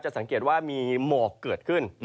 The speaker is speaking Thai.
สังเกตว่ามีหมอกเกิดขึ้น